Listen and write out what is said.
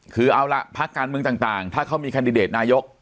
คือเอาล่ะพักการเมืองต่างถ้าเขามีแคนดิเดตนายก